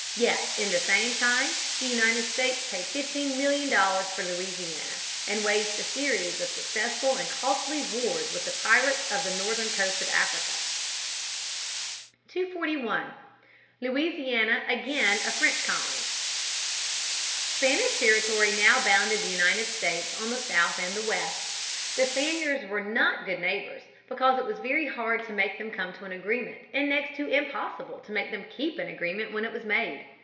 Yet in the same time the United States paid fifteen million dollars for Louisiana, and waged a series of successful and costly wars with the pirates of the northern coast of Africa. [Sidenote: The Spaniards in Louisiana and Florida. McMaster, 218 219.] [Sidenote: France secures Louisiana.] 241. Louisiana again a French Colony. Spanish territory now bounded the United States on the south and the west. The Spaniards were not good neighbors, because it was very hard to make them come to an agreement, and next to impossible to make them keep an agreement when it was made.